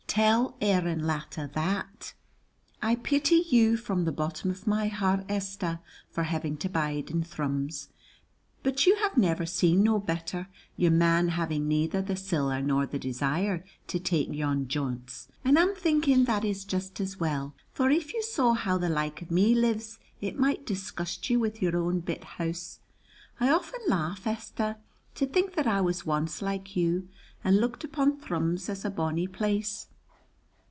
Tell Aaron Latta that. "I pity you from the bottom of my heart, Esther, for having to bide in Thrums, but you have never seen no better, your man having neither the siller nor the desire to take yon jaunts, and I'm thinking that is just as well, for if you saw how the like of me lives it might disgust you with your own bit house. I often laugh, Esther, to think that I was once like you, and looked upon Thrums as a bonny place.